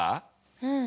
うん。